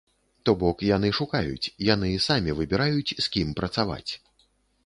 То бок, яны шукаюць, яны самі выбіраюць, з кім працаваць.